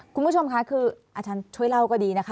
คุณผู้ชมค่ะคืออาจารย์ช่วยเล่าก็ดีนะคะ